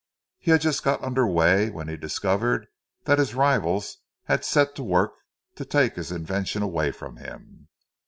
He had just got under way when he discovered that his rivals had set to work to take his invention away from him.